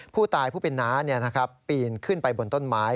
ผู้ตายผู้เป็นน้าปีนขึ้นไปบนต้นไม้